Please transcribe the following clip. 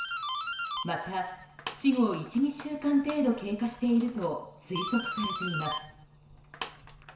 また、死後１２週間程度経過していると推測されています。